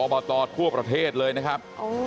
บตทั่วประเทศเลยนะครับ